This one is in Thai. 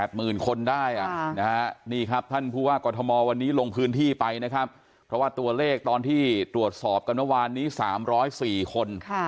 นี่ครับท่านผู้ว่ากรทมวันนี้ลงพื้นที่ไปนะครับเพราะว่าตัวเลขตอนที่ตรวจสอบกันเมื่อวานนี้๓๐๔คน